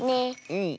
うん。